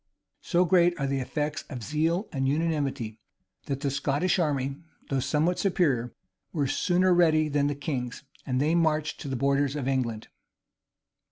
So great are the effects of zeal and unanimity, that the Scottish army, though somewhat superior, were sooner ready than the king's; and they marched to the borders of England.